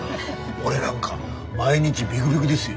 俺なんか毎日ビクビクですよ。